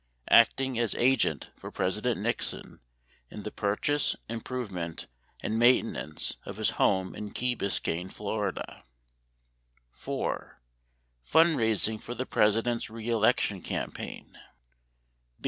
Acting as agent for President Nixon in the purchase, improve ment, and maintenance of his home in Key Biscayne, Fla. ; 4. Fundraising for the President's reelection campaign.